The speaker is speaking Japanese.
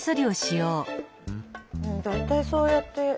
大体そうやって。